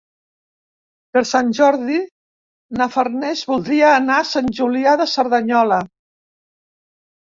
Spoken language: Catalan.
Per Sant Jordi na Farners voldria anar a Sant Julià de Cerdanyola.